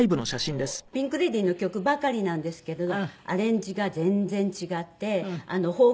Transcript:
あのピンク・レディーの曲ばかりなんですけどアレンジが全然違って邦楽